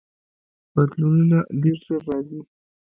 بدلونونه ډیر ژر راځي.